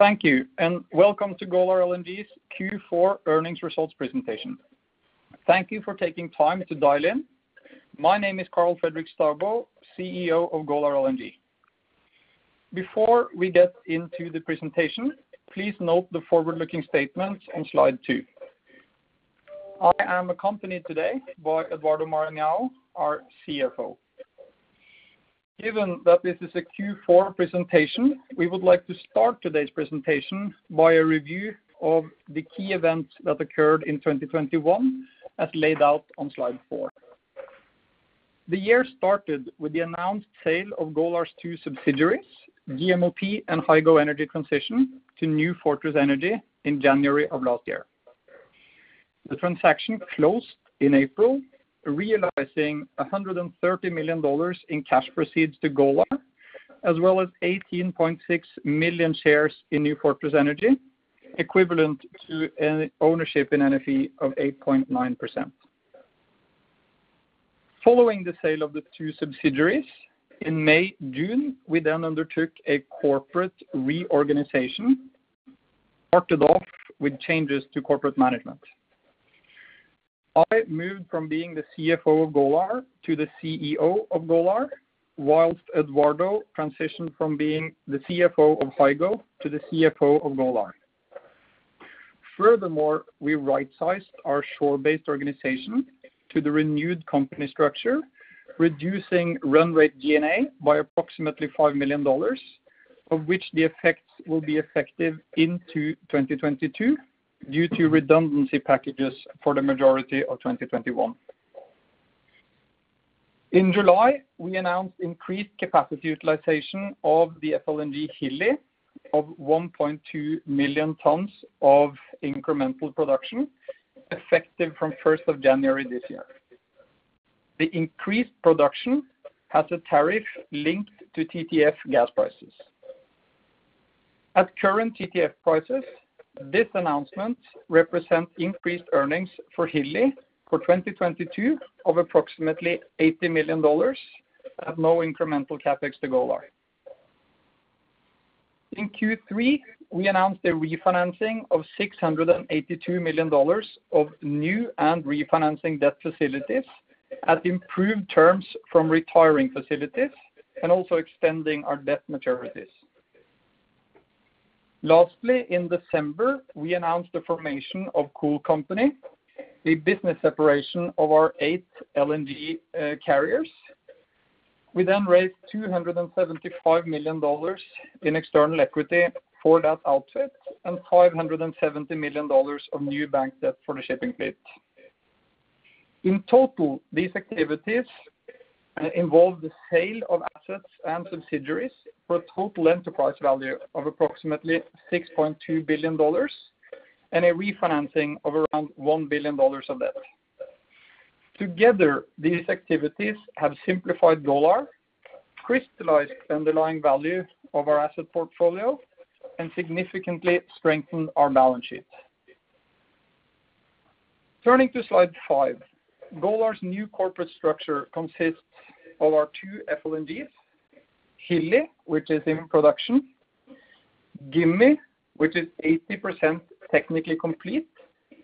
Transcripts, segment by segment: Thank you, and welcome to Golar LNG's Q4 earnings results presentation. Thank you for taking time to dial in. My name is Karl Fredrik Staubo, CEO of Golar LNG. Before we get into the presentation, please note the forward-looking statements on slide two. I am accompanied today by Eduardo Maranhão, our CFO. Given that this is a Q4 presentation, we would like to start today's presentation by a review of the key events that occurred in 2021, as laid out on slide four. The year started with the announced sale of Golar's two subsidiaries, GMLP and Hygo Energy Transition, to New Fortress Energy in January of last year. The transaction closed in April, realizing $130 million in cash proceeds to Golar, as well as 18.6 million shares in New Fortress Energy, equivalent to an ownership in NFE of 8.9%. Following the sale of the two subsidiaries in May, June, we then undertook a corporate reorganization, started off with changes to corporate management. I moved from being the CFO of Golar to the CEO of Golar, while Eduardo transitioned from being the CFO of Hygo to the CFO of Golar. Furthermore, we right-sized our shore-based organization to the renewed company structure, reducing run rate G&A by approximately $5 million, of which the effects will be effective into 2022 due to redundancy packages for the majority of 2021. In July, we announced increased capacity utilization of the FLNG Hilli of 1.2 million tons of incremental production effective from January 1 this year. The increased production has a tariff linked to TTF gas prices. At current TTF prices, this announcement represents increased earnings for Hilli for 2022 of approximately $80 million at no incremental CapEx to Golar. In Q3, we announced a refinancing of $682 million of new and refinancing debt facilities at improved terms from retiring facilities and also extending our debt maturities. Lastly, in December, we announced the formation of Cool Company, a business separation of our eight LNG carriers. We then raised $275 million in external equity for that outfit and $570 million of new bank debt for the shipping fleet. In total, these activities involve the sale of assets and subsidiaries for a total enterprise value of approximately $6.2 billion and a refinancing of around $1 billion of debt. Together, these activities have simplified Golar, crystallized underlying value of our asset portfolio, and significantly strengthened our balance sheet. Turning to slide five. Golar's new corporate structure consists of our two FLNGs, Hilli, which is in production, Gimi, which is 80% technically complete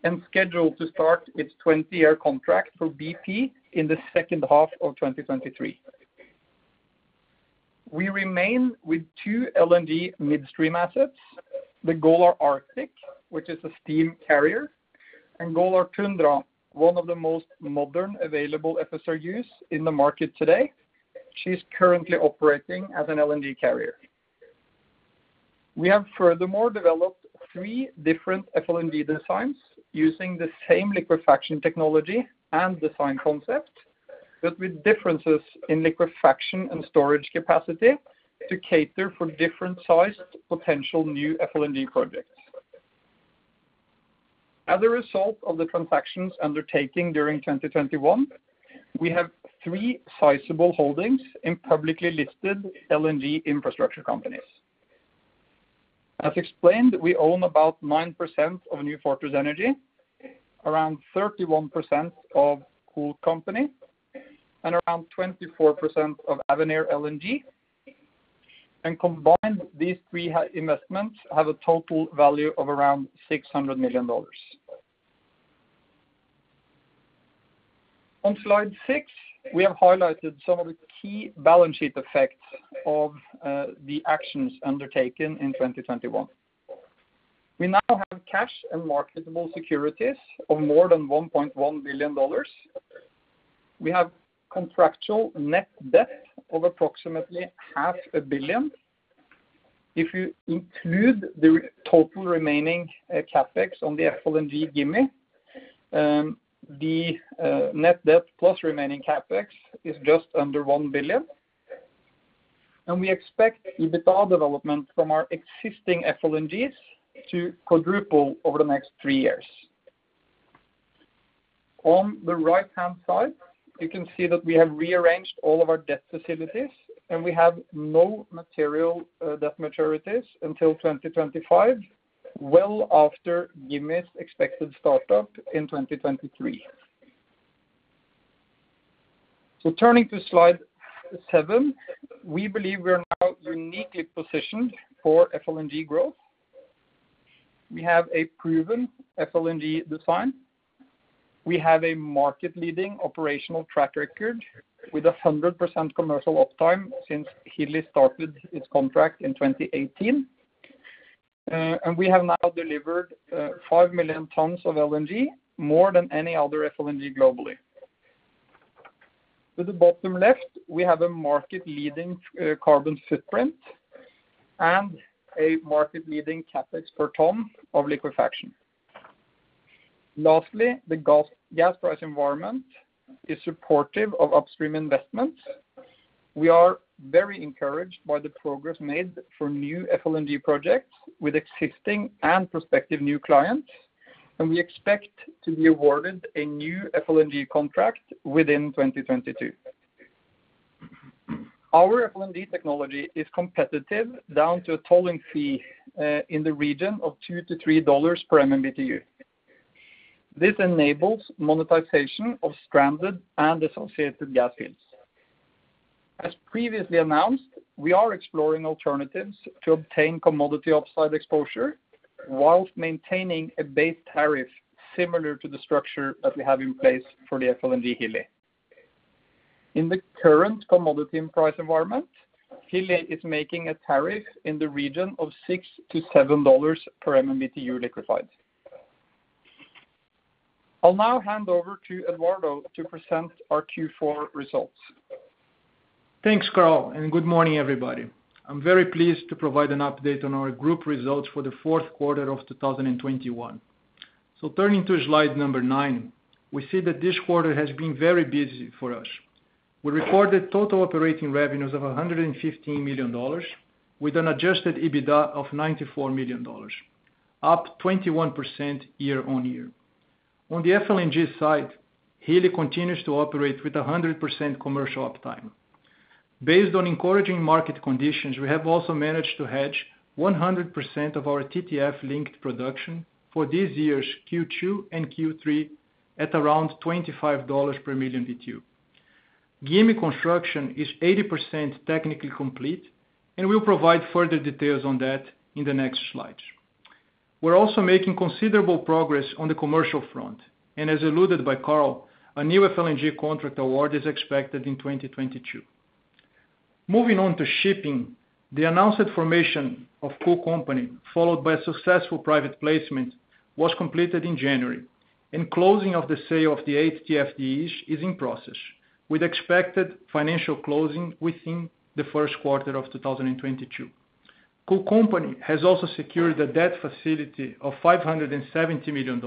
and scheduled to start its 20-year contract for BP in the second half of 2023. We remain with 2 LNG midstream assets, the Golar Arctic, which is a steam carrier, and Golar Tundra, one of the most modern available FSRUs in the market today. She is currently operating as an LNG carrier. We have furthermore developed three different FLNG designs using the same liquefaction technology and design concept, but with differences in liquefaction and storage capacity to cater for different-sized potential new FLNG projects. As a result of the transactions undertaken during 2021, we have three sizable holdings in publicly listed LNG infrastructure companies. As explained, we own about 9% of New Fortress Energy, around 31% of Cool Company, and around 24% of Avenir LNG. Combined, these three investments have a total value of around $600 million. On slide six, we have highlighted some of the key balance sheet effects of the actions undertaken in 2021. We now have cash and marketable securities of more than $1.1 billion. We have contractual net debt of approximately half a billion dollars. If you include the total remaining CapEx on the FLNG Gimi, the net debt plus remaining CapEx is just under $1 billion. We expect EBITDA development from our existing FLNGs to quadruple over the next three years. On the right-hand side, you can see that we have rearranged all of our debt facilities, and we have no material debt maturities until 2025, well after Gimi's expected startup in 2023. Turning to slide seven, we believe we are now uniquely positioned for FLNG growth. We have a proven FLNG design. We have a market-leading operational track record with 100% commercial uptime since Hilli started its contract in 2018. And we have now delivered 5 million tons of LNG, more than any other FLNG globally. To the bottom left, we have a market-leading carbon footprint and a market-leading CapEx per ton of liquefaction. Lastly, the global gas price environment is supportive of upstream investment. We are very encouraged by the progress made for new FLNG projects with existing and prospective new clients, and we expect to be awarded a new FLNG contract within 2022. Our FLNG technology is competitive down to a tolling fee in the region of $2-$3 per MMBTU. This enables monetization of stranded and associated gas fields. As previously announced, we are exploring alternatives to obtain commodity upside exposure while maintaining a base tariff similar to the structure that we have in place for the FLNG Hilli. In the current commodity and price environment, Hilli is making a tariff in the region of $6-$7 per MMBTU liquefied. I'll now hand over to Eduardo to present our Q4 results. Thanks, Karl, and good morning, everybody. I'm very pleased to provide an update on our group results for the fourth quarter of 2021. Turning to slide number nine, we see that this quarter has been very busy for us. We recorded total operating revenues of $115 million with an adjusted EBITDA of $94 million, up 21% year-on-year. On the FLNG side, Hilli continues to operate with 100% commercial uptime. Based on encouraging market conditions, we have also managed to hedge 100% of our TTF-linked production for this year's Q2 and Q3 at around $25 per million BTU. Gimi construction is 80% technically complete, and we'll provide further details on that in the next slides. We're also making considerable progress on the commercial front. As alluded by Karl, a new FLNG contract award is expected in 2022. Moving on to shipping, the announced formation of Cool Company, followed by a successful private placement, was completed in January. Closing of the sale of the eight TFDEs is in process, with expected financial closing within the first quarter of 2022. Cool Company has also secured a debt facility of $570 million,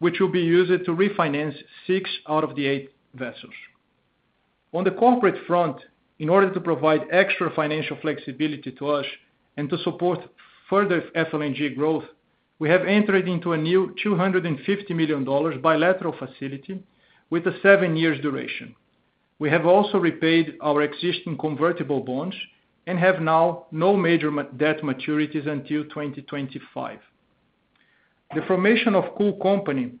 which will be used to refinance six out of the eight vessels. On the corporate front, in order to provide extra financial flexibility to us and to support further FLNG growth, we have entered into a new $250 million bilateral facility with a seven years duration. We have also repaid our existing convertible bonds and have now no major debt maturities until 2025. The formation of Cool Company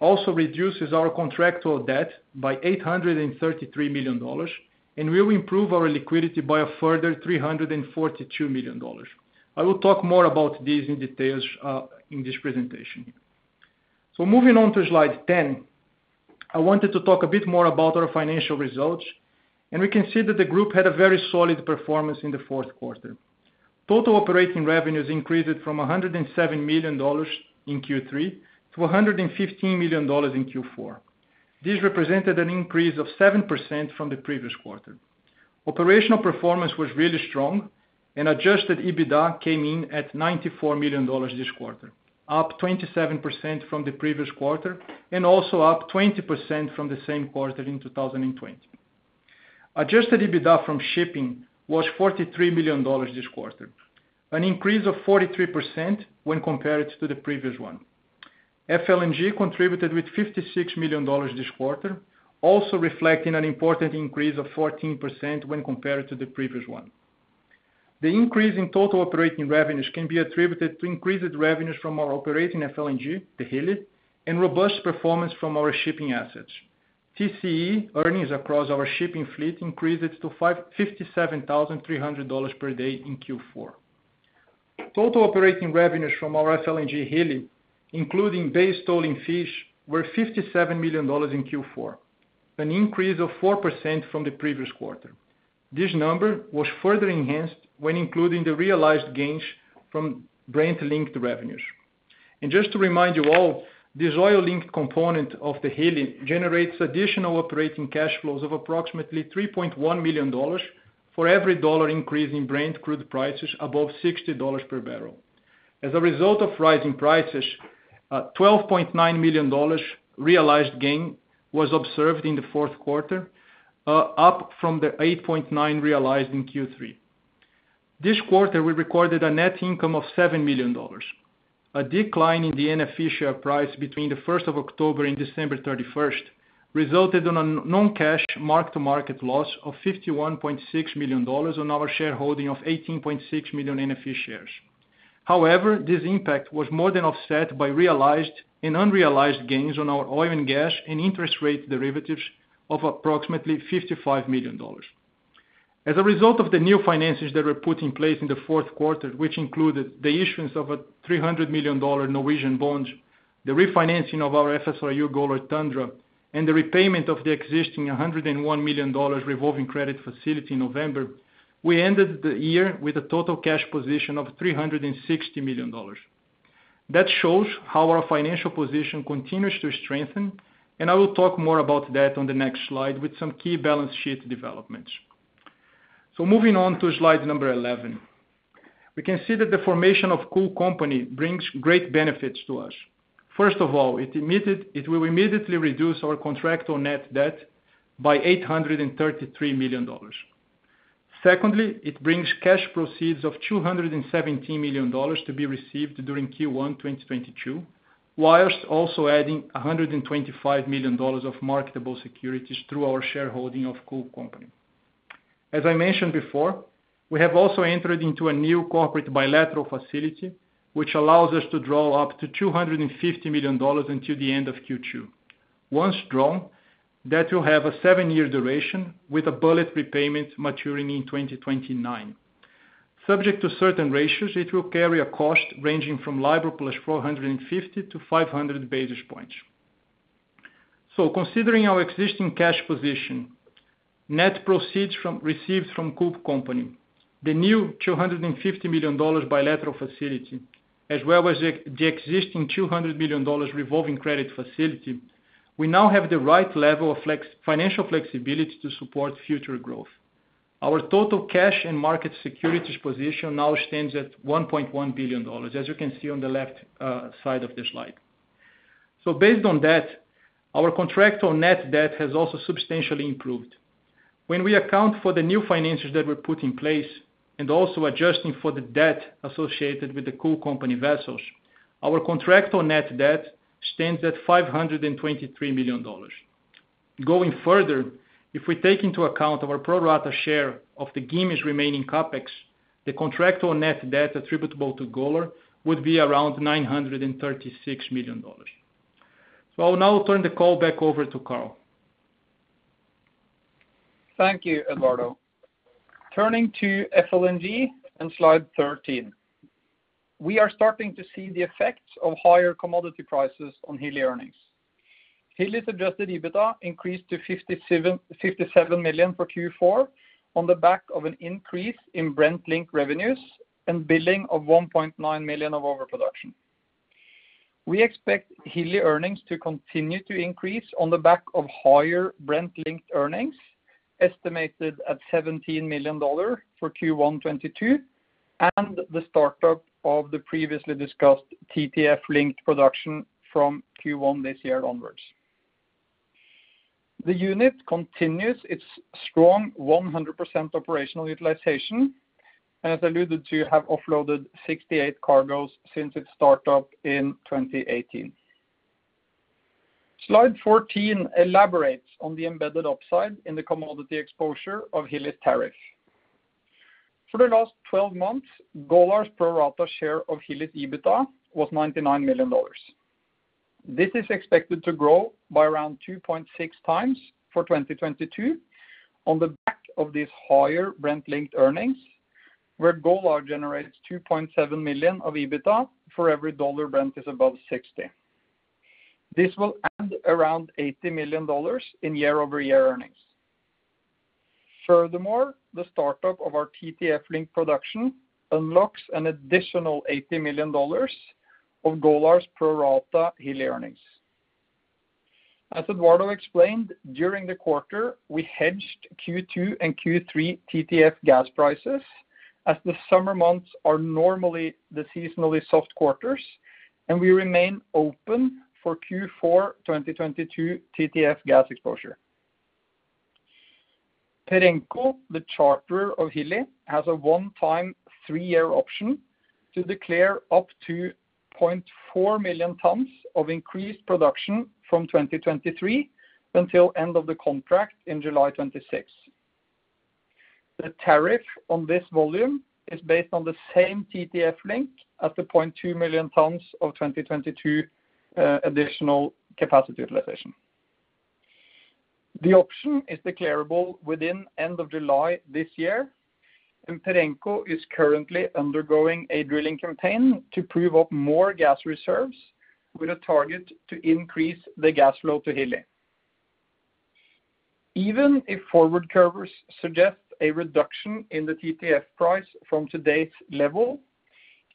also reduces our contractual debt by $833 million and will improve our liquidity by a further $342 million. I will talk more about this in detail in this presentation. Moving on to slide 10, I wanted to talk a bit more about our financial results. We can see that the group had a very solid performance in the fourth quarter. Total operating revenues increased from $107 million in Q3 to $115 million in Q4. This represented an increase of 7% from the previous quarter. Operational performance was really strong and adjusted EBITDA came in at $94 million this quarter, up 27% from the previous quarter and also up 20% from the same quarter in 2020. Adjusted EBITDA from shipping was $43 million this quarter, an increase of 43% when compared to the previous one. FLNG contributed with $56 million this quarter, also reflecting an important increase of 14% when compared to the previous one. The increase in total operating revenues can be attributed to increased revenues from our operating FLNG, the Hilli, and robust performance from our shipping assets. TCE earnings across our shipping fleet increased to $557,300 per day in Q4. Total operating revenues from our FLNG Hilli, including base tolling fees, were $57 million in Q4, an increase of 4% from the previous quarter. This number was further enhanced when including the realized gains from Brent-linked revenues. Just to remind you all, this oil-linked component of the Hilli generates additional operating cash flows of approximately $3.1 million for every dollar increase in Brent crude prices above $60 per barrel. As a result of rising prices, $12.9 million realized gain was observed in the fourth quarter, up from the $8.9 realized in Q3. This quarter, we recorded a net income of $7 million. A decline in the NFE share price between the first of October and December 31st resulted in a non-cash mark-to-market loss of $51.6 million on our shareholding of 18.6 million NFE shares. However, this impact was more than offset by realized and unrealized gains on our oil and gas and interest rate derivatives of approximately $55 million. As a result of the new finances that were put in place in the fourth quarter, which included the issuance of a $300 million Norwegian bond, the refinancing of our FSRU Golar Tundra, and the repayment of the existing $101 million revolving credit facility in November, we ended the year with a total cash position of $360 million. That shows how our financial position continues to strengthen, and I will talk more about that on the next slide with some key balance sheet developments. Moving on to slide 11. We can see that the formation of Cool Company brings great benefits to us. First of all, it will immediately reduce our contractual net debt by $833 million. Secondly, it brings cash proceeds of $270 million to be received during Q1 2022, while also adding $125 million of marketable securities through our shareholding of Cool Company. As I mentioned before, we have also entered into a new corporate bilateral facility, which allows us to draw up to $250 million until the end of Q2. Once drawn, that will have a seven-year duration with a bullet repayment maturing in 2029. Subject to certain ratios, it will carry a cost ranging from LIBOR plus 450 to 500 basis points. Considering our existing cash position, net proceeds received from Cool Company, the new $250 million bilateral facility, as well as the existing $200 million revolving credit facility, we now have the right level of financial flexibility to support future growth. Our total cash and market securities position now stands at $1.1 billion, as you can see on the left side of the slide. Based on that, our contractual net debt has also substantially improved. When we account for the new finances that were put in place and also adjusting for the debt associated with the Cool Company vessels, our contractual net debt stands at $523 million. Going further, if we take into account our pro rata share of the Gimi's remaining CapEx, the contractual net debt attributable to Golar would be around $936 million. I'll now turn the call back over to Karl. Thank you, Eduardo. Turning to FLNG on slide 13. We are starting to see the effects of higher commodity prices on Hilli earnings. Hilli's adjusted EBITDA increased to $57.57 million for Q4 on the back of an increase in Brent link revenues and billing of $1.9 million of overproduction. We expect Hilli earnings to continue to increase on the back of higher Brent-linked earnings, estimated at $17 million for Q1 2022, and the start-up of the previously discussed TTF-linked production from Q1 this year onwards. The unit continues its strong 100% operational utilization, and as alluded to, have offloaded 68 cargoes since its start-up in 2018. Slide 14 elaborates on the embedded upside in the commodity exposure of Hilli tariff. For the last 12 months, Golar's pro rata share of Hilli's EBITDA was $99 million. This is expected to grow by around 2.6x for 2022 on the back of these higher Brent-linked earnings, where Golar generates $2.7 million of EBITDA for every $1 Brent is above $60. This will add around $80 million in year-over-year earnings. Furthermore, the start-up of our TTF link production unlocks an additional $80 million of Golar's pro rata Hilli earnings. As Eduardo explained, during the quarter, we hedged Q2 and Q3 TTF gas prices, as the summer months are normally the seasonally soft quarters, and we remain open for Q4 2022 TTF gas exposure. Perenco, the charterer of Hilli, has a one-time three-year option to declare up to 0.4 million tons of increased production from 2023 until end of the contract in July 2026. The tariff on this volume is based on the same TTF link as the 0.2 million tons of 2022 additional capacity utilization. The option is declarable by the end of July this year, and Perenco is currently undergoing a drilling campaign to prove up more gas reserves with a target to increase the gas flow to Hilli. Even if forward curves suggest a reduction in the TTF price from today's level,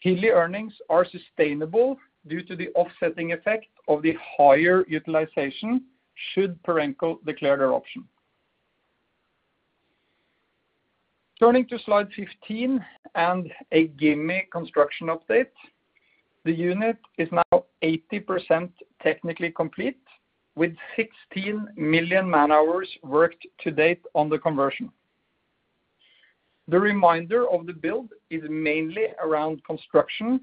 Hilli earnings are sustainable due to the offsetting effect of the higher utilization should Perenco declare their option. Turning to slide 15 and a Gimi construction update. The unit is now 80% technically complete, with 16 million man-hours worked to date on the conversion. The remainder of the build is mainly around construction,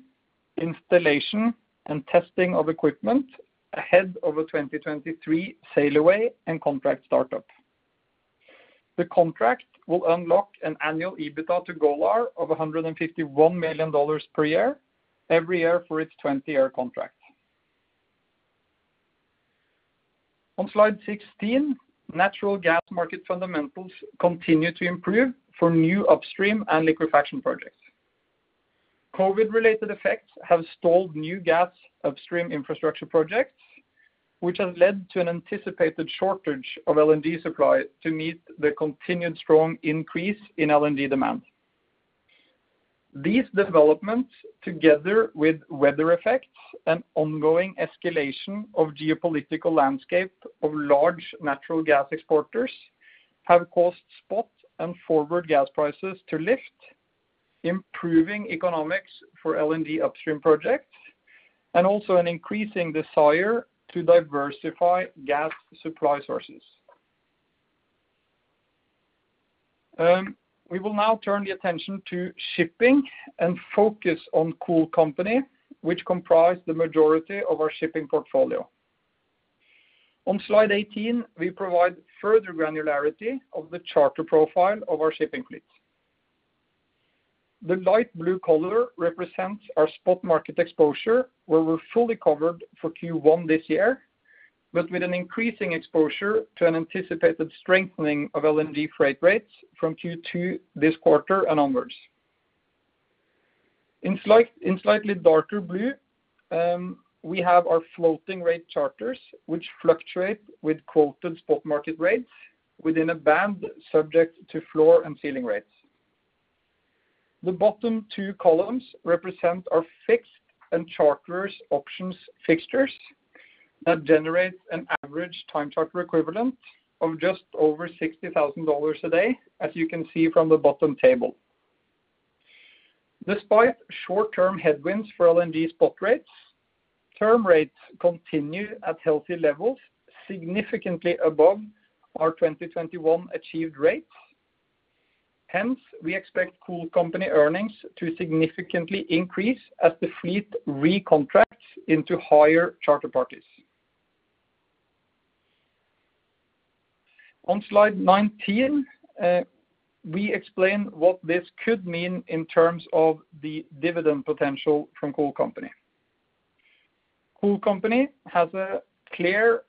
installation, and testing of equipment ahead of a 2023 sail away and contract start-up. The contract will unlock an annual EBITDA to Golar of $151 million per year, every year for its 20-year contract. On slide 16, natural gas market fundamentals continue to improve for new upstream and liquefaction projects. COVID-related effects have stalled new gas upstream infrastructure projects, which has led to an anticipated shortage of LNG supply to meet the continued strong increase in LNG demand. These developments, together with weather effects and ongoing escalation of geopolitical landscape of large natural gas exporters, have caused spot and forward gas prices to lift, improving economics for LNG upstream projects and also an increasing desire to diversify gas supply sources. We will now turn our attention to shipping and focus on Cool Company, which comprise the majority of our shipping portfolio. On slide 18, we provide further granularity of the charter profile of our shipping fleet. The light blue color represents our spot market exposure, where we're fully covered for Q1 this year, but with an increasing exposure to an anticipated strengthening of LNG freight rates from Q2 this quarter and onwards. In slightly darker blue, we have our floating rate charters which fluctuate with quoted spot market rates within a band subject to floor and ceiling rates. The bottom two columns represent our fixed and charter options fixtures that generate an average time charter equivalent of just over $60,000 a day, as you can see from the bottom table. Despite short-term headwinds for LNG spot rates, term rates continue at healthy levels significantly above our 2021 achieved rates. Hence, we expect Cool Company earnings to significantly increase as the fleet recontracts into higher charter parties. On slide 19, we explain what this could mean in terms of the dividend potential from Cool Company. Cool Company has a clear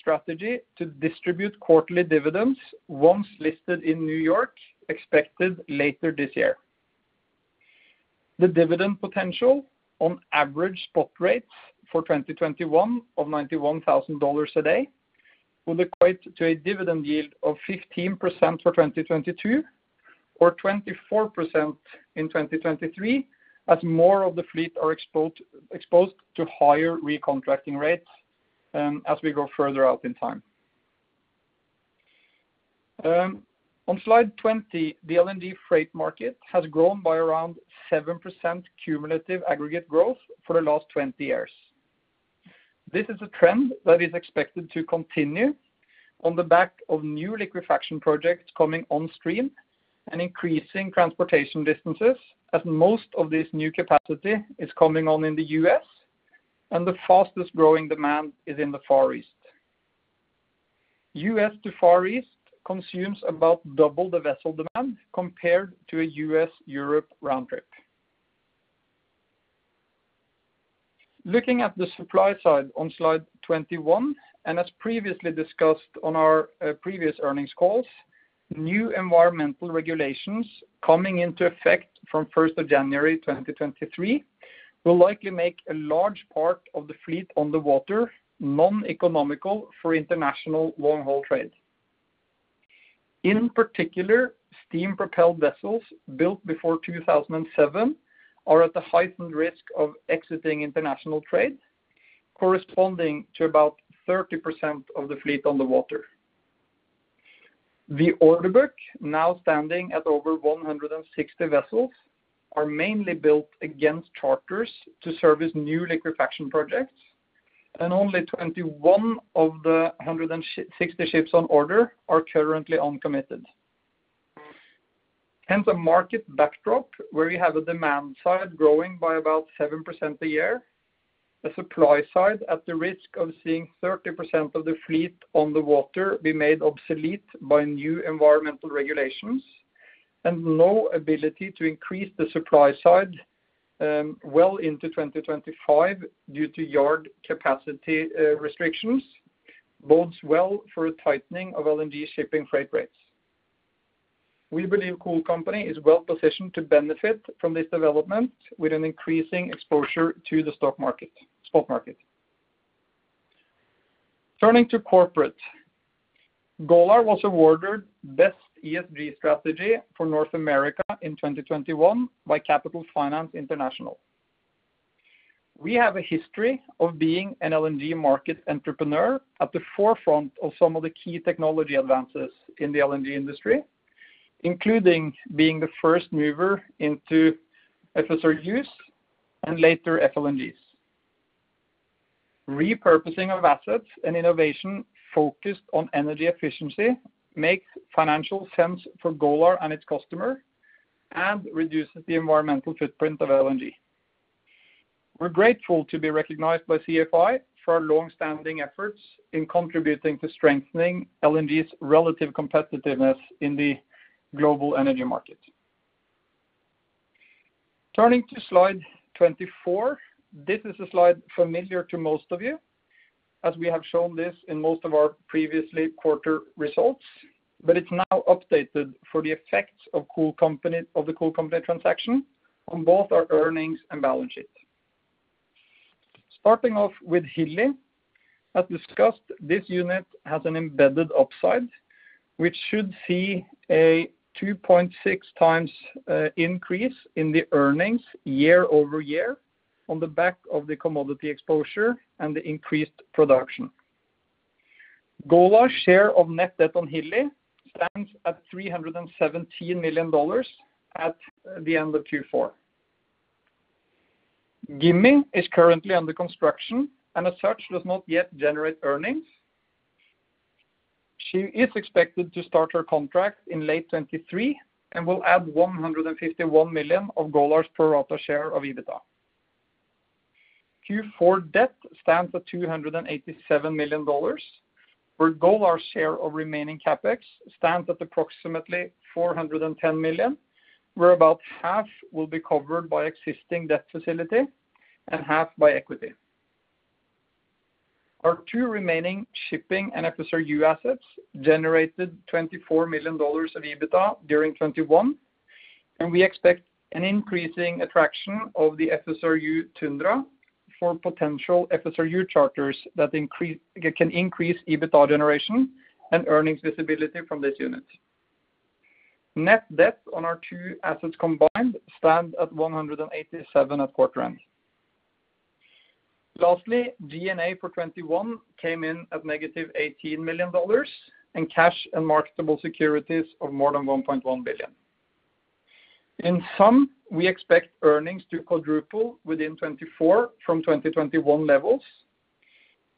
strategy to distribute quarterly dividends once listed in New York, expected later this year. The dividend potential on average spot rates for 2021 of $91,000 a day would equate to a dividend yield of 15% for 2022 or 24% in 2023 as more of the fleet are exposed to higher recontracting rates as we go further out in time. On slide 20, the LNG freight market has grown by around 7% cumulative aggregate growth for the last 20 years. This is a trend that is expected to continue on the back of new liquefaction projects coming on stream and increasing transportation distances as most of this new capacity is coming on in the U.S. and the fastest-growing demand is in the Far East. U.S. to Far East consumes about double the vessel demand compared to a U.S.-Europe round trip. Looking at the supply side on slide 21, as previously discussed on our previous earnings calls, new environmental regulations coming into effect from January 1st, 2023 will likely make a large part of the fleet on the water non-economical for international long-haul trade. In particular, steam-propelled vessels built before 2007 are at the heightened risk of exiting international trade, corresponding to about 30% of the fleet on the water. The order book now standing at over 160 vessels are mainly built against charters to service new liquefaction projects, and only 21 of the hundred and sixty ships on order are currently uncommitted. Hence a market backdrop where we have a demand side growing by about 7% a year, a supply side at the risk of seeing 30% of the fleet on the water be made obsolete by new environmental regulations and low ability to increase the supply side, well into 2025 due to yard capacity restrictions bodes well for a tightening of LNG shipping freight rates. We believe Cool Company is well-positioned to benefit from this development with an increasing exposure to the stock market spot market. Turning to corporate. Golar was awarded best ESG strategy for North America in 2021 by Capital Finance International. We have a history of being an LNG market entrepreneur at the forefront of some of the key technology advances in the LNG industry, including being the first mover into FSRU and later FLNGs. Repurposing of assets and innovation focused on energy efficiency makes financial sense for Golar and its customer and reduces the environmental footprint of LNG. We're grateful to be recognized by CFI for our long-standing efforts in contributing to strengthening LNG's relative competitiveness in the global energy market. Turning to slide 24. This is a slide familiar to most of you, as we have shown this in most of our previous quarter results, but it's now updated for the effects of Cool Company transaction on both our earnings and balance sheet. Starting off with Hilli. As discussed, this unit has an embedded upside, which should see a 2.6x increase in the earnings year-over-year on the back of the commodity exposure and the increased production. Golar's share of net debt on Hilli stands at $317 million at the end of Q4. Gimi is currently under construction and as such, does not yet generate earnings. She is expected to start her contract in late 2023 and will add $151 million of Golar's pro rata share of EBITDA. Q4 debt stands at $287 million, while Golar's share of remaining CapEx stands at approximately $410 million, while about half will be covered by existing debt facility and half by equity. Our two remaining shipping and FSRU assets generated $24 million of EBITDA during 2021, and we expect increasing attraction of the FSRU Tundra for potential FSRU charters that can increase EBITDA generation and earnings visibility from this unit. Net debt on our two assets combined stands at $187 million at quarter end. Lastly, G&A for 2021 came in at -$18 million, and cash and marketable securities of more than $1.1 billion. In sum, we expect earnings to quadruple within 2024 from 2021 levels.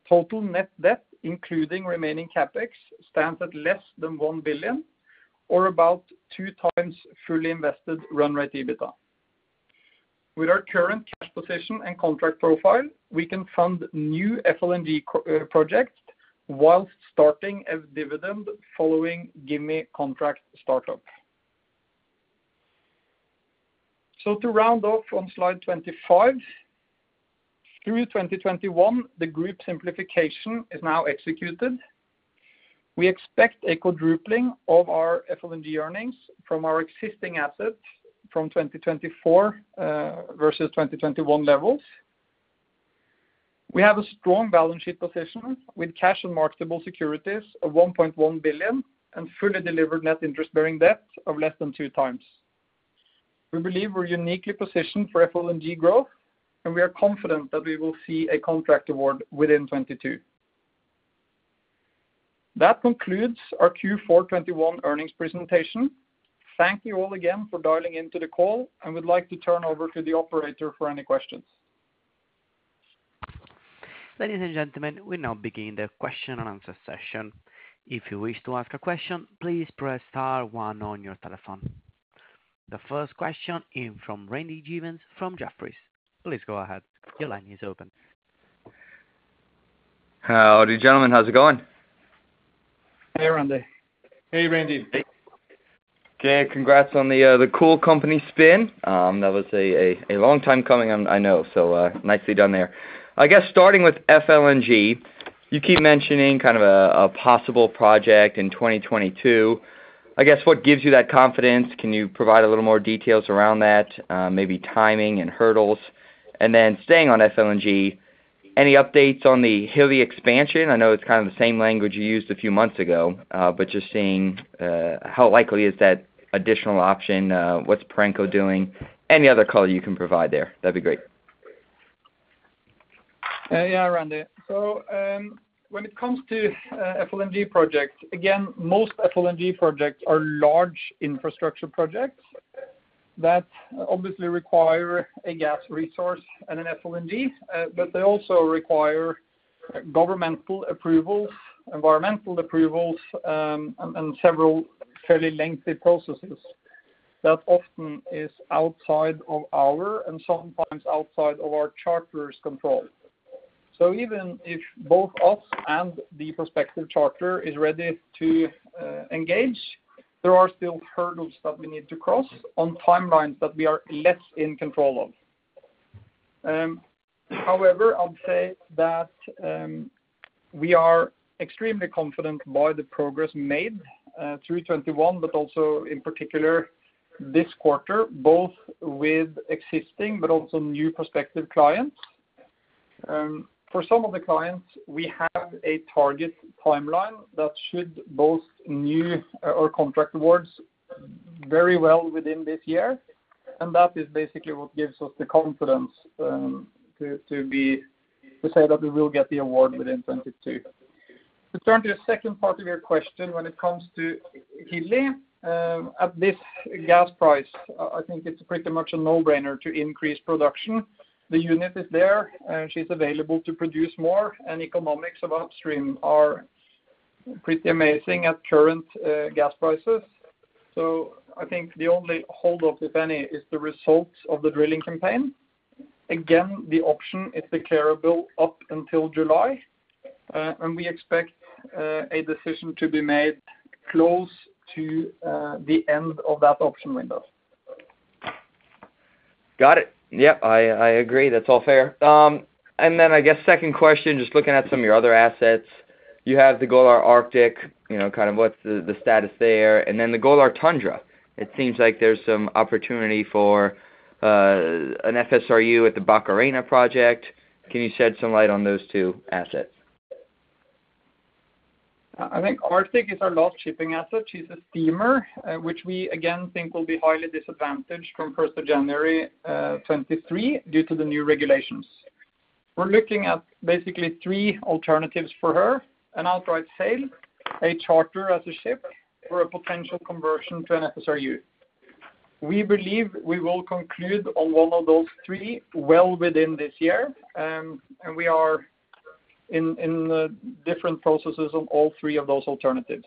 Total net debt, including remaining CapEx, stands at less than $1 billion or about 2x fully invested run rate EBITDA. With our current cash position and contract profile, we can fund new FLNG projects whilst starting a dividend following Gimi contract startup. To round off on slide 25. Through 2021, the group simplification is now executed. We expect a quadrupling of our FLNG earnings from our existing assets from 2024 versus 2021 levels. We have a strong balance sheet position with cash and marketable securities of $1.1 billion and fully delivered net interest bearing debt of less than 2x. We believe we're uniquely positioned for FLNG growth, and we are confident that we will see a contract award within 2022. That concludes our Q4 2021 earnings presentation. Thank you all again for dialing into the call, and we'd like to turn over to the operator for any questions. Ladies and gentlemen, we now begin the question and answer session. If you wish to ask a question, please press star one on your telephone. The first question is from Randy Giveans from Jefferies. Please go ahead. Your line is open. Howdy, gentlemen. How's it going? Hey, Randy. Hey, Randy. Okay. Congrats on the Cool Company spin. That was a long time coming, I know. Nicely done there. I guess starting with FLNG, you keep mentioning kind of a possible project in 2022. I guess what gives you that confidence? Can you provide a little more details around that? Maybe timing and hurdles. Staying on FLNG, any updates on the Hilli expansion? I know it's kind of the same language you used a few months ago, but just seeing how likely is that additional option, what's Perenco doing? Any other color you can provide there, that'd be great. Randy. When it comes to FLNG projects, again, most FLNG projects are large infrastructure projects that obviously require a gas resource and an FLNG, but they also require governmental approvals, environmental approvals, and several fairly lengthy processes that often is outside of our and sometimes outside of our charter's control. Even if both us and the prospective charter is ready to engage, there are still hurdles that we need to cross on timelines that we are less in control of. However, I'll say that we are extremely confident by the progress made through 2021, but also in particular this quarter, both with existing but also new prospective clients. For some of the clients, we have a target timeline that should boast new or contract awards very well within this year. That is basically what gives us the confidence to say that we will get the award within 2022. To turn to the second part of your question, when it comes to Hilli, at this gas price, I think it's pretty much a no-brainer to increase production. The unit is there, she's available to produce more, and economics of upstream are pretty amazing at current gas prices. So I think the only hold up, if any, is the results of the drilling campaign. Again, the option is the carrier build up until July. And we expect a decision to be made close to the end of that option window. Got it. Yep. I agree. That's all fair. I guess second question, just looking at some of your other assets. You have the Golar Arctic, you know, kind of what's the status there? The Golar Tundra. It seems like there's some opportunity for an FSRU at the Barcarena project. Can you shed some light on those two assets? I think Arctic is our last shipping asset. She's a steamer, which we again think will be highly disadvantaged from January 1st, 2023 due to the new regulations. We're looking at basically three alternatives for her, an outright sale, a charter as a ship, or a potential conversion to an FSRU. We believe we will conclude on one of those three well within this year. We are in different processes on all three of those alternatives.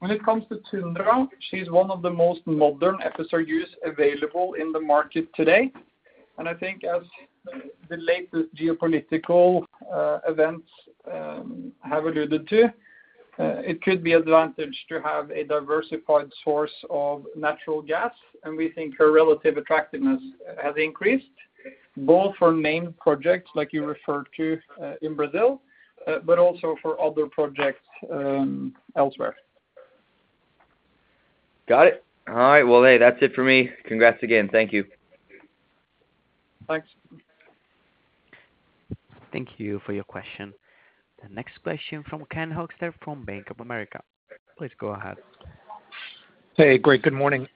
When it comes to Tundra, she's one of the most modern FSRUs available in the market today. I think as the latest geopolitical events have alluded to, it could be an advantage to have a diversified source of natural gas, and we think our relative attractiveness has increased both for main projects like you referred to in Brazil, but also for other projects elsewhere. Got it. All right. Well, hey, that's it for me. Congrats again. Thank you. Thanks. Thank you for your question. The next question from Ken Hoexter from Bank of America. Please go ahead. Hey, great. Good morning.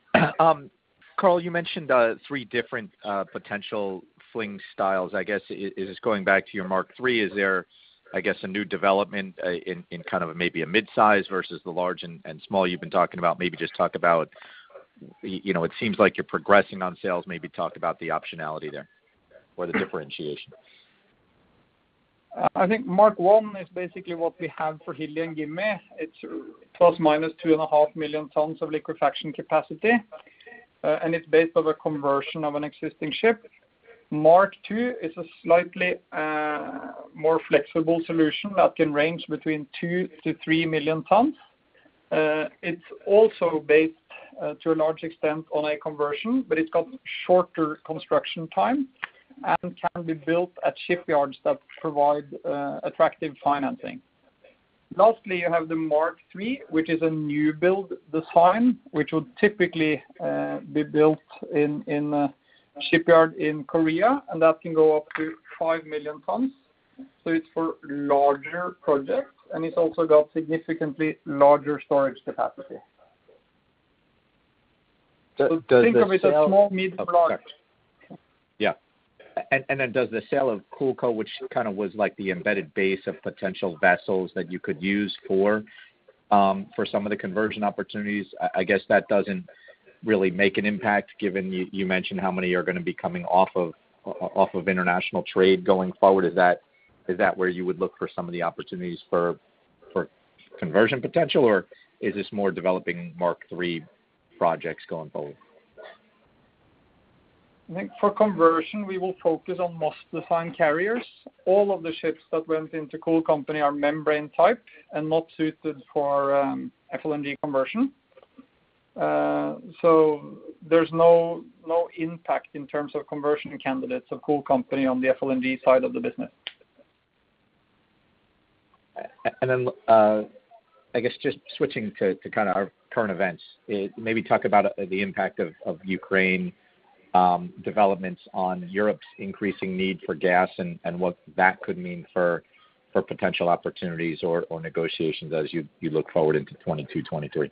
Karl, you mentioned three different potential FLNG styles, I guess. Is this going back to your Mark III? Is there, I guess, a new development in kind of maybe a midsize versus the large and small you've been talking about? Maybe just talk about you know, it seems like you're progressing on sales. Maybe talk about the optionality there or the differentiation. I think Mark I is basically what we have for Hilli and Gimi. It's ±2.5 million tons of liquefaction capacity, and it's based on the conversion of an existing ship. Mark II is a slightly more flexible solution that can range between 2-3 million tons. It's also based to a large extent on a conversion, but it's got shorter construction time and can be built at shipyards that provide attractive financing. Lastly, you have the Mark III, which is a new build design, which would typically be built in a shipyard in Korea, and that can go up to 5 million tons. It's for larger projects, and it's also got significantly larger storage capacity. Does the sale- Think of it as small, mid, large. Then does the sale of CoolCo, which kind of was like the embedded base of potential vessels that you could use for some of the conversion opportunities, I guess that doesn't really make an impact given you mentioned how many are gonna be coming off of international trade going forward. Is that where you would look for some of the opportunities for conversion potential, or is this more developing Mark III projects going forward? I think for conversion, we will focus on Moss-type LNG carriers. All of the ships that went into Cool Company are membrane type and not suited for FLNG conversion. There's no impact in terms of conversion candidates of Cool Company on the FLNG side of the business. I guess just switching to kinda our current events, maybe talk about the impact of Ukraine developments on Europe's increasing need for gas and what that could mean for potential opportunities or negotiations as you look forward into 2022, 2023.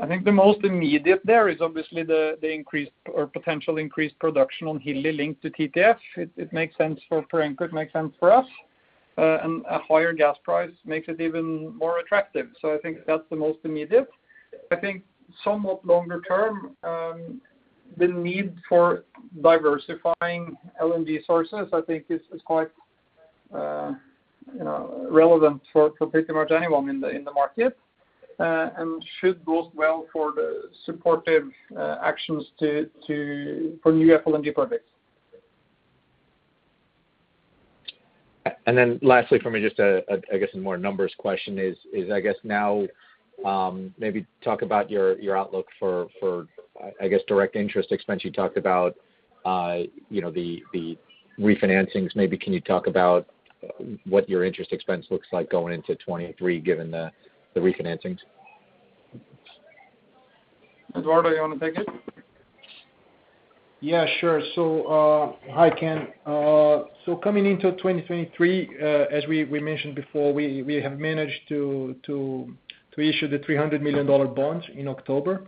I think the most immediate there is obviously the increased or potential increased production on Hilli linked to TTF. It makes sense for Perenco. It makes sense for us. A higher gas price makes it even more attractive. I think that's the most immediate. I think somewhat longer term, the need for diversifying LNG sources, I think is quite, you know, relevant for pretty much anyone in the market, and should go well for the supportive actions for new FLNG projects. Lastly for me, just a I guess a more numbers question is I guess now maybe talk about your outlook for I guess direct interest expense. You talked about you know the refinancings. Maybe can you talk about what your interest expense looks like going into 2023, given the refinancings? Eduardo, you wanna take it? Sure. Hi, Ken. Coming into 2023, as we mentioned before, we have managed to issue $300 million bonds in October,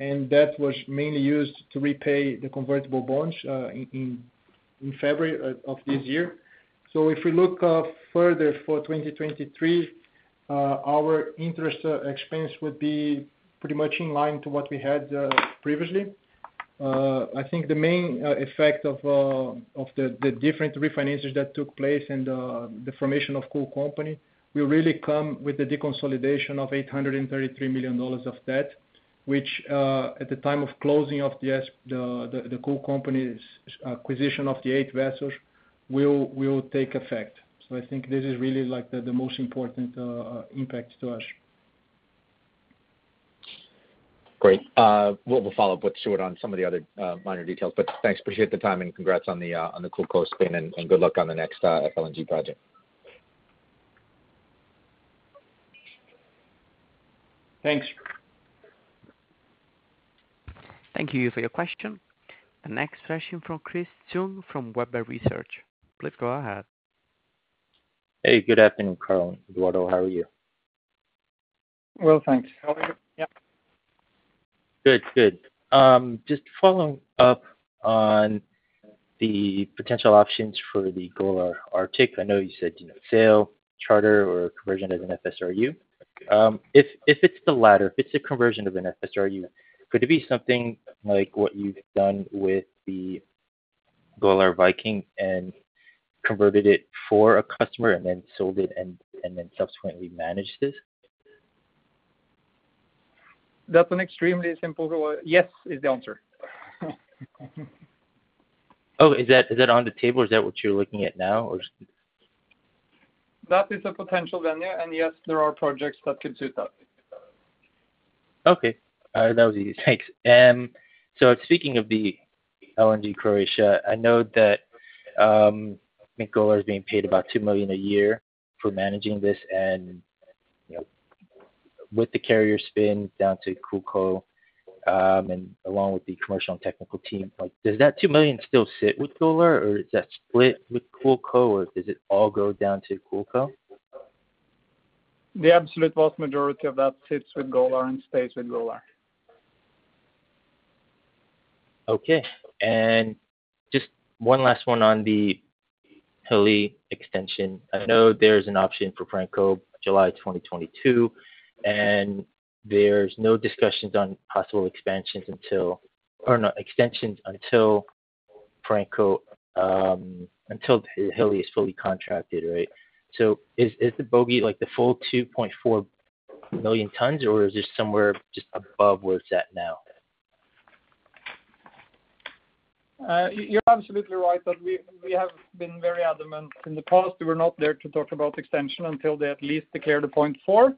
and that was mainly used to repay the convertible bonds in February of this year. If we look further for 2023, our interest expense would be pretty much in line with what we had previously. I think the main effect of the different refinances that took place and the formation of Cool Company will really come with the deconsolidation of $833 million of debt, which at the time of closing of the Cool Company's acquisition of the eight vessels will take effect. I think this is really like the most important impact to us. Great. We'll follow up with Stuart on some of the other minor details, but thanks, appreciate the time, and congrats on the Cool Co spin and good luck on the next FLNG project. Thanks. Thank you for your question. The next question from Chris Tsung from Webber Research, please go ahead. Hey, good afternoon, Karl and Eduardo. How are you? Well, thanks. How are you? Yeah. Just following up on the potential options for the Golar Arctic. I know you said, you know, sale, charter, or conversion as an FSRU. If it's the latter, if it's a conversion of an FSRU, could it be something like what you've done with the Golar Viking and converted it for a customer and then sold it and then subsequently managed it? Yes is the answer. Oh, is that on the table? Is that what you're looking at now? Or just- That is a potential venue, and yes, there are projects that could suit that. Okay. All right. That was easy. Thanks. Speaking of the LNG Croatia, I know that I think Golar is being paid about $2 million a year for managing this and, you know, with the carrier spin down to CoolCo, and along with the commercial and technical team, like does that $2 million still sit with Golar or is that split with CoolCo or does it all go down to CoolCo? The absolute vast majority of that sits with Golar and stays with Golar. Okay. Just one last one on the Hilli extension. I know there's an option for Perenco July 2022, and there's no discussions on possible expansions until or no extensions until Perenco until Hilli is fully contracted, right? Is the bogey like the full 2.4 million tons or is this somewhere just above where it's at now? You're absolutely right that we have been very adamant. In the past, we were not there to talk about extension until they at least declared 0.4.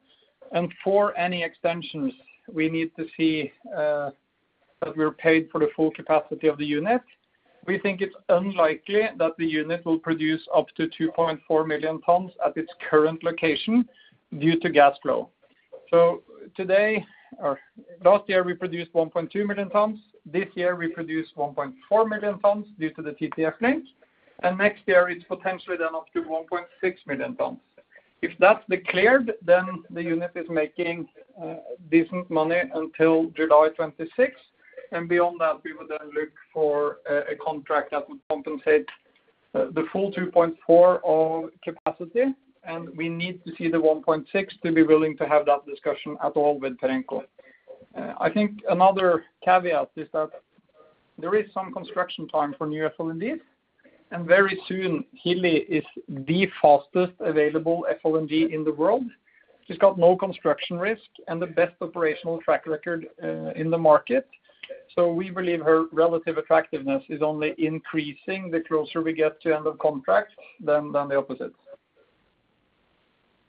For any extensions, we need to see that we're paid for the full capacity of the unit. We think it's unlikely that the unit will produce up to 2.4 million tons at its current location due to gas flow. Today or last year, we produced 1.2 million tons. This year we produced 1.4 million tons due to the TTF link. Next year it's potentially then up to 1.6 million tons. If that's declared, then the unit is making decent money until July 2026, and beyond that, we would then look for a contract that would compensate the full 2.4 of capacity, and we need to see the 1.6 to be willing to have that discussion at all with Perenco. I think another caveat is that there is some construction time for new FLNGs. Very soon, Hilli is the fastest available FLNG in the world. She's got no construction risk and the best operational track record in the market. We believe her relative attractiveness is only increasing the closer we get to end of contract than the opposite.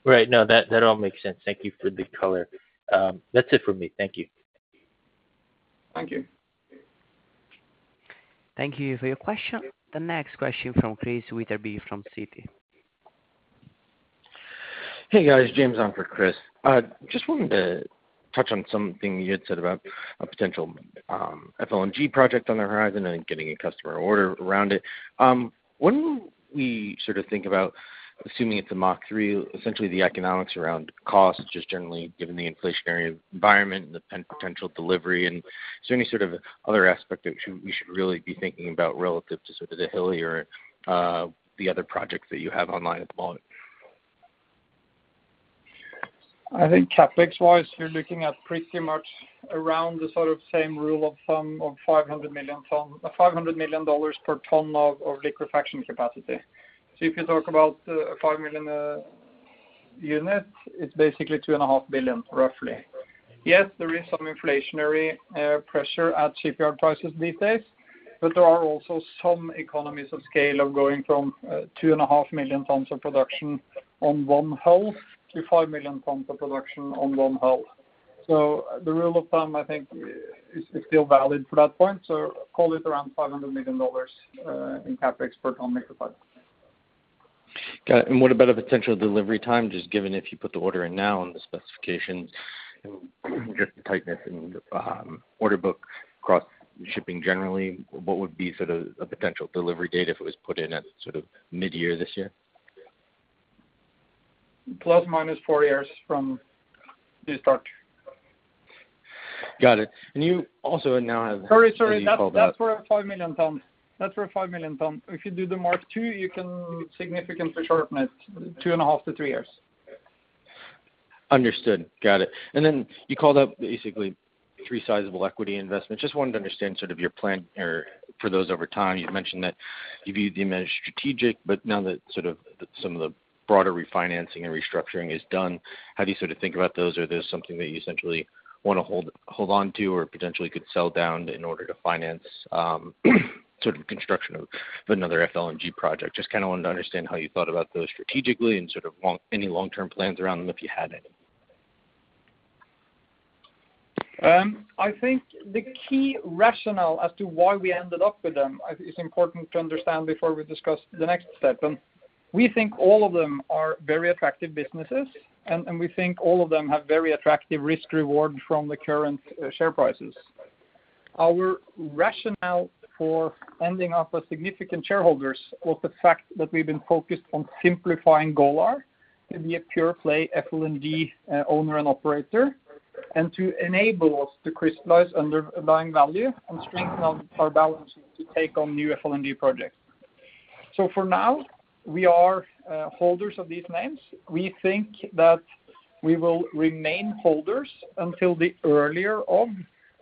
Right. No, that all makes sense. Thank you for the color. That's it for me. Thank you. Thank you. Thank you for your question. The next question from Chris Wetherbee from Citi. Hey, guys. James on for Chris. Just wanted to touch on something you had said about a potential FLNG project on the horizon and getting a customer order around it. When we sort of think about assuming it's a Mark III, essentially the economics around cost, just generally given the inflationary environment and the potential delivery, and is there any sort of other aspect that we should really be thinking about relative to sort of the Hilli or the other projects that you have online at the moment? I think CapEx wise, we're looking at pretty much around the sort of same rule of thumb of $500 million dollars per ton of liquefaction capacity. If you talk about a 5 million unit, it's basically $2.5 billion, roughly. Yes, there is some inflationary pressure at shipyard prices these days, but there are also some economies of scale of going from 2.5 million tons of production on one hull to 5 million tons of production on one hull. The rule of thumb, I think is still valid for that point, so call it around $500 million in CapEx per ton liquefaction. Got it. What about a potential delivery time, just given if you put the order in now and the specifications, just the tightness in, order book across shipping generally, what would be sort of a potential delivery date if it was put in at sort of midyear this year? ±4 years from the start. Got it. You also now have- Sorry. That's for a 5 million ton. If you do the Mark II, you can significantly shorten it, 2.5-three years. Understood. Got it. You called up basically three sizable equity investment. Just wanted to understand sort of your plan or for those over time. You mentioned that you viewed them as strategic, but now that sort of some of the broader refinancing and restructuring is done, how do you sort of think about those? There's something that you essentially wanna hold on to or potentially could sell down in order to finance sort of construction of another FLNG project. Just kinda wanted to understand how you thought about those strategically and sort of any long-term plans around them, if you had any. I think the key rationale as to why we ended up with them, I think is important to understand before we discuss the next step. We think all of them are very attractive businesses and we think all of them have very attractive risk reward from the current share prices. Our rationale for ending up with significant shareholders was the fact that we've been focused on simplifying Golar to be a pure play FLNG owner and operator, and to enable us to crystallize underlying value and strengthen our balance sheet to take on new FLNG projects. For now, we are holders of these names. We think that we will remain holders until the earlier of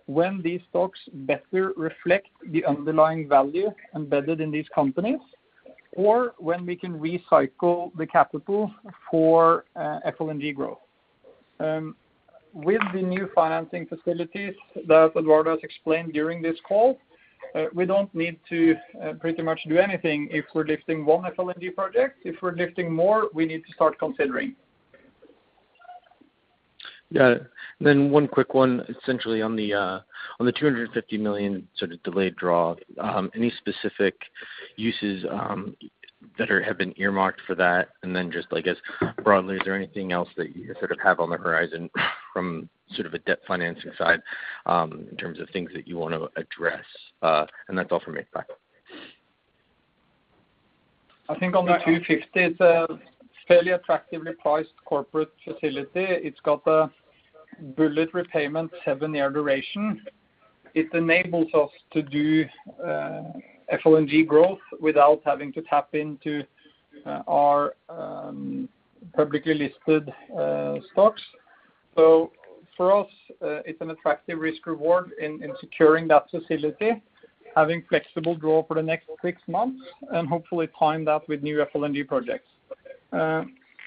when these stocks better reflect the underlying value embedded in these companies, or when we can recycle the capital for FLNG growth. With the new financing facilities that Eduardo has explained during this call, we don't need to pretty much do anything if we're lifting one FLNG project. If we're lifting more, we need to start considering. Got it. One quick one essentially on the $250 million sort of delayed draw. Any specific uses that have been earmarked for that? And then just I guess broadly, is there anything else that you sort of have on the horizon from sort of a debt financing side, in terms of things that you wanna address? And that's all for me. Bye. I think on the $250, it's a fairly attractively priced corporate facility. It's got a bullet repayment seven year duration. It enables us to do FLNG growth without having to tap into our publicly listed stocks. For us, it's an attractive risk reward in securing that facility, having flexible draw for the next six months, and hopefully time that with new FLNG projects.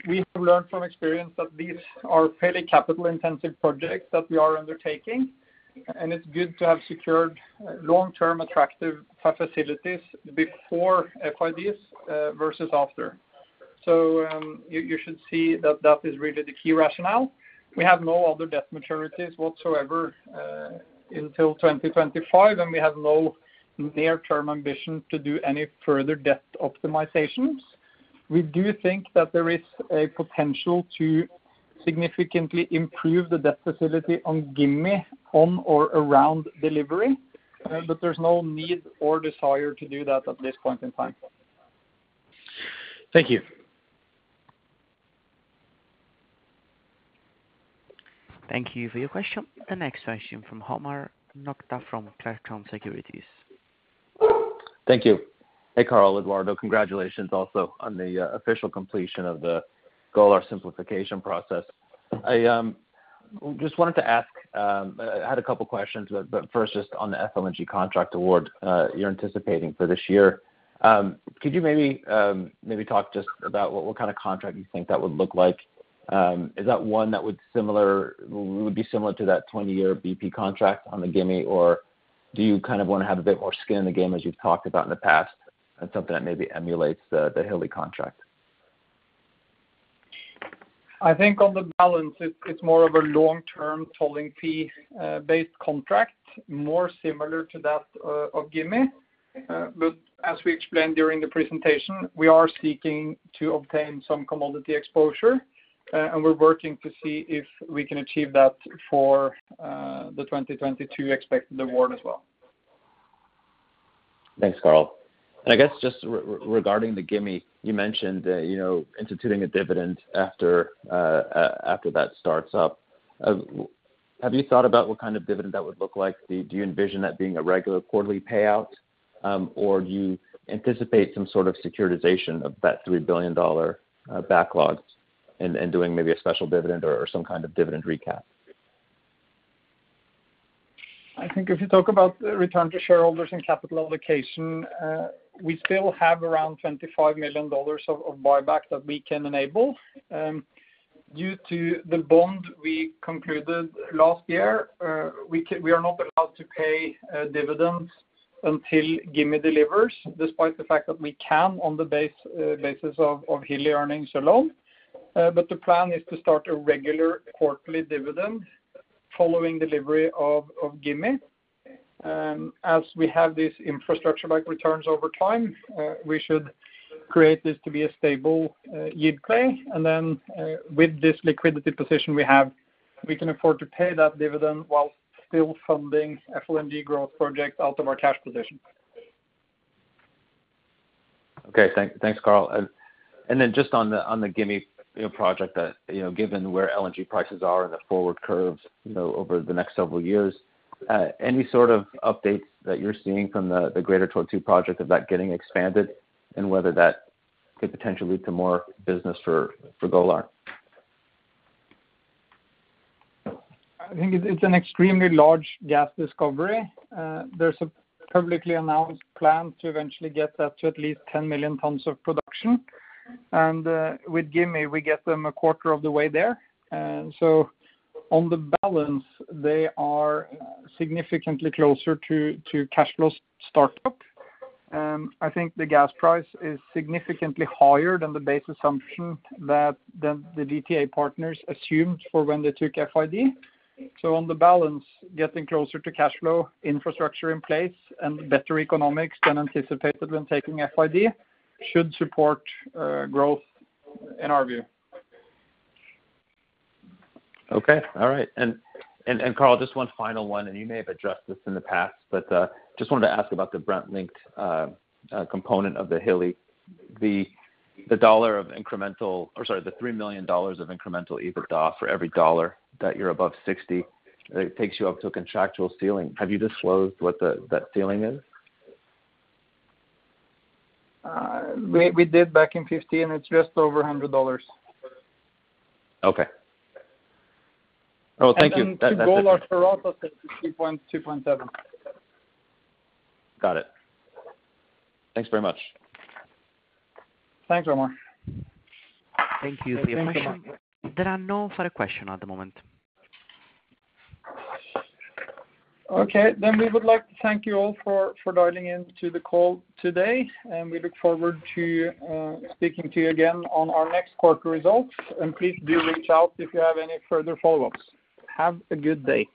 We have learned from experience that these are fairly capital-intensive projects that we are undertaking, and it's good to have secured long-term attractive facilities before FIDs versus after. You should see that is really the key rationale. We have no other debt maturities whatsoever until 2025, and we have no near-term ambition to do any further debt optimizations. We do think that there is a potential to significantly improve the debt facility on Gimi on or around delivery, but there's no need or desire to do that at this point in time. Thank you. Thank you for your question. The next question from Omar Nokta from Clarksons Securities. Thank you. Hey, Karl, Eduardo. Congratulations also on the official completion of the Golar simplification process. I just wanted to ask. I had a couple questions, but first just on the FLNG contract award you're anticipating for this year. Could you maybe talk just about what kind of contract you think that would look like? Is that one that would be similar to that 20-year BP contract on the Gimi? Or do you kind of want to have a bit more skin in the game as you've talked about in the past, and something that maybe emulates the Hilli contract? I think on the balance, it's more of a long-term tolling fee-based contract, more similar to that of Gimi. As we explained during the presentation, we are seeking to obtain some commodity exposure, and we're working to see if we can achieve that for the 2022 expected award as well. Thanks, Karl. I guess just regarding the Gimi, you mentioned, you know, instituting a dividend after that starts up. Have you thought about what kind of dividend that would look like? Do you envision that being a regular quarterly payout, or do you anticipate some sort of securitization of that $3 billion backlog in doing maybe a special dividend or some kind of dividend recap? I think if you talk about return to shareholders and capital allocation, we still have around $25 million of buyback that we can enable. Due to the bond we concluded last year, we are not allowed to pay dividends until Gimi delivers, despite the fact that we can on the basis of Hilli earnings alone. But the plan is to start a regular quarterly dividend following delivery of Gimi. As we have this infrastructure-like returns over time, we should create this to be a stable yield play. With this liquidity position we have, we can afford to pay that dividend while still funding FLNG growth projects out of our cash position. Okay. Thanks, Karl. Then just on the Gimi, you know, project that, you know, given where LNG prices are in the forward curves, you know, over the next several years, any sort of updates that you're seeing from the Greater Tortue project of that getting expanded? Whether that could potentially lead to more business for Golar. I think it's an extremely large gas discovery. There's a publicly announced plan to eventually get that to at least 10 million tons of production. With Gimi, we get them a quarter of the way there. On the balance, they are significantly closer to cash flows startup. I think the gas price is significantly higher than the base assumption that the GTA partners assumed for when they took FID. On the balance, getting closer to cash flow, infrastructure in place and better economics than anticipated when taking FID should support growth in our view. Okay. All right. Karl, just one final one, and you may have addressed this in the past, but just wanted to ask about the Brent-linked component of the Hilli. The dollar of incremental, or sorry, the $3 million of incremental EBITDA for every dollar that you're above $60, it takes you up to a contractual ceiling. Have you disclosed what that ceiling is? We did back in 50, and it's just over $100. Okay. Oh, thank you. To Golar pro rata, $32.27. Got it. Thanks very much. Thanks, Omar. Thank you. Thank you. There are no further questions at the moment. Okay. We would like to thank you all for dialing in to the call today, and we look forward to speaking to you again on our next quarter results. Please do reach out if you have any further follow-ups. Have a good day.